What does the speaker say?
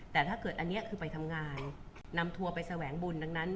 แต่ถ้าเกิดอันนี้คือไปทำงานนำทัวร์ไปแสวงบุญดังนั้น